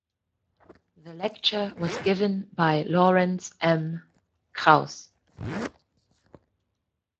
The lecture was given by Lawrence M. Krauss.